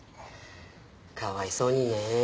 かわいそうにね。